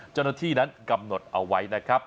เจ้าหน้าที่นั้นกำหนดเอาไว้นะครับ